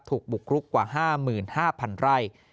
ถูกบุกรุกกว่า๕๕๐๐๐ไร่